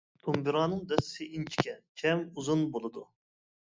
دومبىرانىڭ دەستىسى ئىنچىكە چەم ئۇزۇن بولىدۇ.